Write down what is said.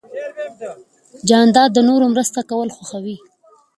جانداد د نورو مرسته کول خوښوي.